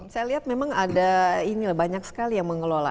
saya lihat memang ada ini lah banyak sekali yang mengelola